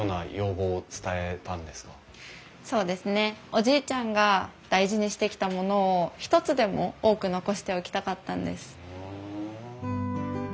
おじいちゃんが大事にしてきたものを一つでも多く残しておきたかったんです。